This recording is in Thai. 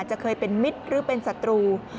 จะเคยเป็นมิตรหรือเป็นศัตรู